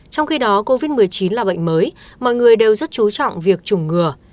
trong khi đó covid một mươi chín là bệnh mới mọi người đều rất chú trọng việc chủng ngừa